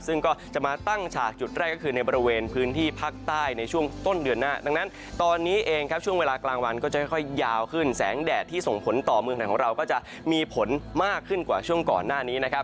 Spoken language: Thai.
ซึ่งก็จะมาตั้งฉากจุดแรกก็คือในบริเวณพื้นที่ภาคใต้ในช่วงต้นเดือนหน้าดังนั้นตอนนี้เองครับช่วงเวลากลางวันก็จะค่อยยาวขึ้นแสงแดดที่ส่งผลต่อเมืองไทยของเราก็จะมีผลมากขึ้นกว่าช่วงก่อนหน้านี้นะครับ